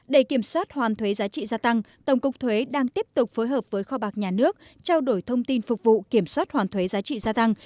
để kiểm soát hoàn thuế giá trị gia tăng tổng cục thuế đang tiếp tục phối hợp với kho bạc nhà nước trao đổi thông tin phục vụ kiểm soát hoàn thuế giá trị gia tăng